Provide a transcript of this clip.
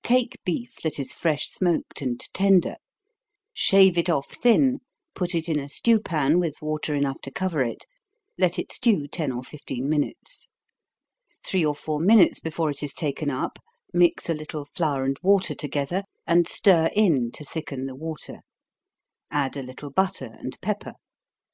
_ Take beef that is fresh smoked and tender shave it off thin, put it in a stew pan, with water enough to cover it let it stew ten or fifteen minutes. Three or four minutes before it is taken up, mix a little flour and water together, and stir in, to thicken the water; add a little butter and pepper.